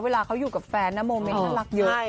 เวลาเขาอยู่กับแฟนนะโมเมนต์น่ารักเยอะ